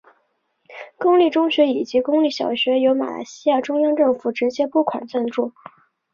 公立中学以及公立小学由马来西亚中央政府直接拨款赞助。